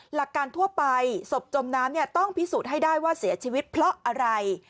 หลักการทั่วไปศพจมน้ำต้องพิสูจน์ให้ได้ว่าเสียชีวิตเพราะอะไร